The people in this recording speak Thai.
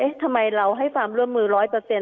ทำไมเราให้ความร่วมมือ๑๐๐